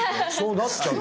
なっちゃう。